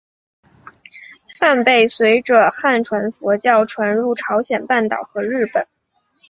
梵呗随着汉传佛教传入朝鲜半岛和日本。